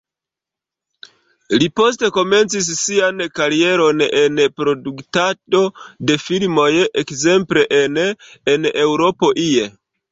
Li poste komencis sian karieron en produktado de filmoj, ekzemple en En Eŭropo ie.